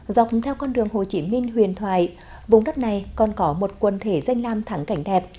dọc theo con đường hồ chí minh huyền thoại vùng đất này còn có một quần thể danh lam thắng cảnh đẹp